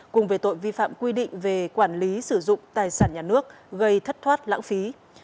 cùng về tội vi phạm quy định về quản lý sử dụng tài sản nhà nước gây thất thoát lãng phí